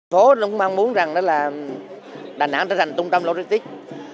phố cũng mang muốn rằng đà nẵng trở thành trung tâm logistics